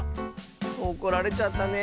おこられちゃったね。